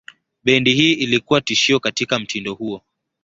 Bendi hii ilikuwa tishio katika mtindo huo.